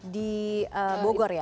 di bogor ya